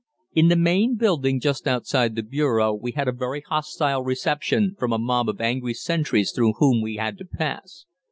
In the main building just outside the bureau we had a very hostile reception from a mob of angry sentries through whom we had to pass.